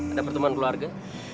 ada pertemanan keluarga